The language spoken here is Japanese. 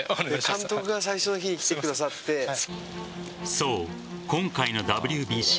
そう、今回のＷＢＣ